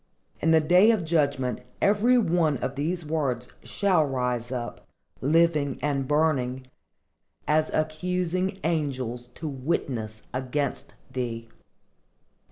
In the day of judgment every one of these words shall rise up, living and burning, as accusing angels to witness against thee.